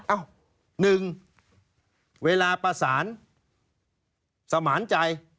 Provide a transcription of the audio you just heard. อ้าว๑เวลาประสานสมาร์นใจ